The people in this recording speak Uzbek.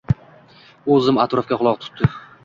U zim atrofga quloq tutdi.